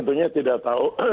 saya tentunya tidak tahu